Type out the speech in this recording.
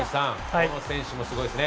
この選手もすごいですね。